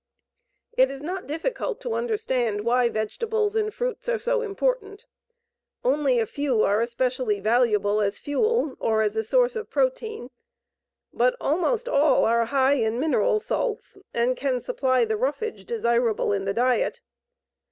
It is not difficult to understand why vegetables and fruits are so important. Only a few are especially valuable as fuel or as a source of protein, but almost all are high in mineral salts and can supply the "roughage" desirable in the diet.